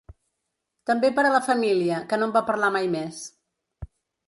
També per a la família, que no en va parlar mai més.